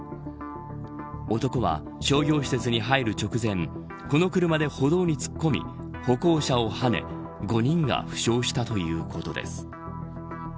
男は商業施設に入る直前この車で歩道に突っ込み歩行者をはね５人が負傷したということです。